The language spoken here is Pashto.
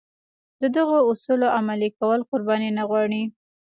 د دغو اصولو عملي کول قرباني نه غواړي.